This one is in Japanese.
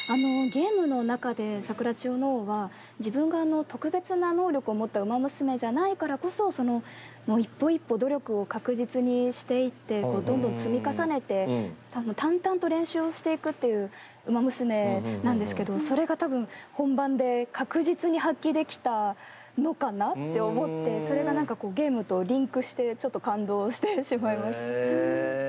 ゲームの中でサクラチヨノオーは自分が特別な能力を持ったウマ娘じゃないからこそそのもう一歩一歩努力を確実にしていってどんどん積み重ねて多分淡々と練習をしていくっていうウマ娘なんですけどそれが多分本番で確実に発揮できたのかなって思ってそれが何かこうゲームとリンクしてちょっと感動してしまいました。